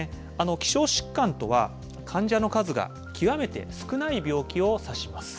希少疾患とは、患者の数が極めて少ない病気を指します。